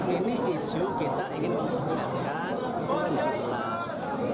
ini isu kita ingin memukseskan dengan jelas